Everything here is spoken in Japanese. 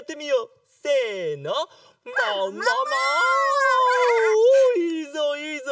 おいいぞいいぞ！